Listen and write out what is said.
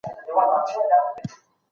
که ډیجیټل کتاب وي نو وخت نه ضایع کیږي.